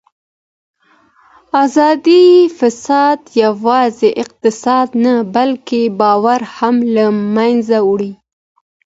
اداري فساد یوازې اقتصاد نه بلکې باور هم له منځه وړي